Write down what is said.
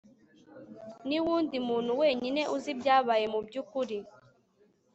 niwundi muntu wenyine uzi ibyabaye mubyukuri